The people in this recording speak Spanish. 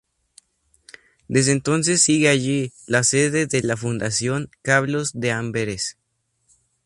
Desde entonces sigue allí la sede de la Fundación Carlos de Amberes.